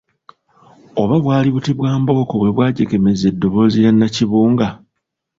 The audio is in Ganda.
Oba bwali buti bwa mbooko bwe bwajegemeza eddoboozi lya Nnakibunga?